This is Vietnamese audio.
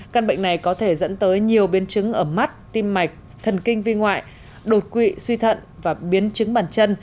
căn bệnh này có thể dẫn tới nhiều biến chứng ở mắt tim mạch thần kinh vi ngoại đột quỵ suy thận và biến chứng bàn chân